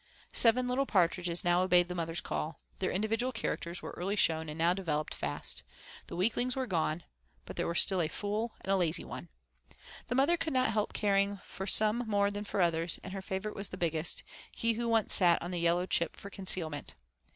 Seven little partridges now obeyed the mother's call. Their individual characters were early shown and now developed fast. The weaklings were gone, but there were still a fool and a lazy one. The mother could not help caring for some more than for others, and her favorite was the biggest, he who once sat on the yellow chip for concealment.